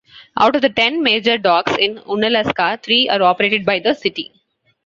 Out of the ten major docks in Unalaska, three are operated by the city.